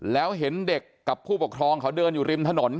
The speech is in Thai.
แล้วเห็นเด็กกับผู้ปกครองเขาเดินอยู่ริมถนน